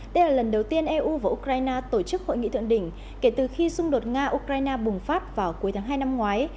đây là lần đầu tiên eu và ukraine tổ chức hội nghị thượng đỉnh kể từ khi xung đột nga ukraine bùng phát vào cuối tháng hai năm ngoái